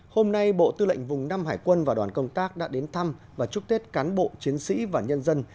hôm nay bộ tư lệnh vùng năm hải quân và đoàn công tác đã đến thăm và chúc tết cán bộ chiến sĩ và nhân dân